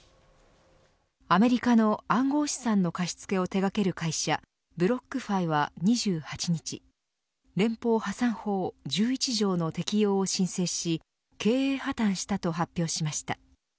アメリカの暗号資産の貸し付けを手掛ける会社ブロックファイは２８日連邦破産法１１条の適用を申請し経営破綻したと発表しました。